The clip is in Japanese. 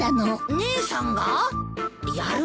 姉さんが？やるなあ。